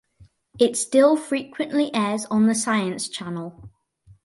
It still frequently airs on The Science Channel.